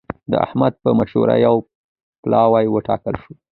د احمد په مشرۍ يو پلاوی وټاکل شو.